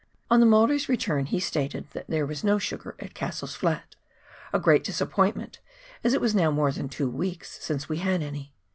On the Maori's return he stated that there was no sugar at Cassell's Flat — a great disappointment, as it was now more than two weeks since we had any.